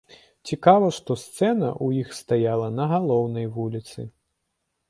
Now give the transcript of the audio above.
Цікава што сцэна ў іх стаяла на галоўнай вуліцы.